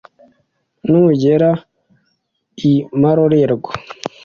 Nugera i Marorerwa